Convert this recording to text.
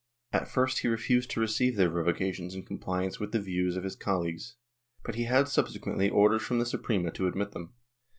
At first he refused to receive their revocations in compliance with the views of his colleagues, but he had subsequently orders from the Suprema to admit them.